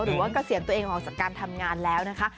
หรือว่ากระเสียนตัวเองออกจากการทำงานแล้วนะคะ